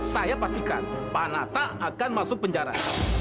saya pastikan panata akan masuk penjara